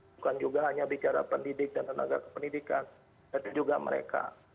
bukan juga hanya bicara pendidik dan tenaga kependidikan tapi juga mereka